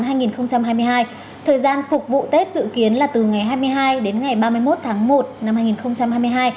thời gian phục vụ tết dự kiến là từ ngày hai mươi hai đến ngày ba mươi một tháng một năm hai nghìn hai mươi hai